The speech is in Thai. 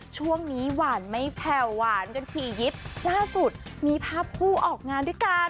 ช่วงนี้หวานไม่แผ่วหวานกันถี่ยิบล่าสุดมีภาพคู่ออกงานด้วยกัน